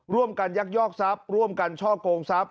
ร่วมกันได้ยากยอกทรัพย์ร่วมกันช่อกงทรัพย์